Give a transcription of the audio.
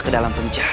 keluar dengan si pater